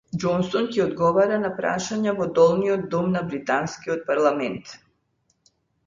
Џонсон ќе одговара на прашања во Долниот дом на британскиот Парламент